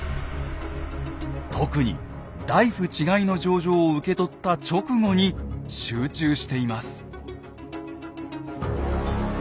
特に「内府ちかひの条々」を受け取った直後に集中しています。